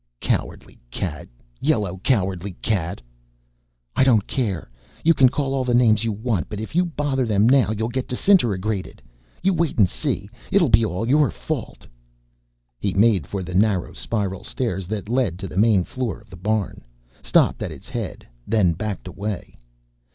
"Cowardy cat. Yellow cowardy cat." "I don't care. You can call all the names you want, but if you bother them now you'll get disintegratored. You wait and see, and it'll be all your fault." He made for the narrow spiral stairs that led to the main floor of the barn, stopped at its head, then backed away.